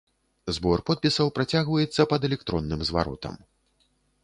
Збор подпісаў працягваецца пад электронным зваротам.